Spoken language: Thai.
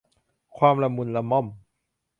ความละมุนละม่อม